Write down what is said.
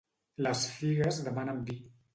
Les figues demanen vi.